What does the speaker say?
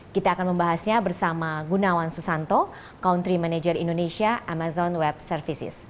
kita akan membahasnya bersama gunawan susanto country manager indonesia amazon web services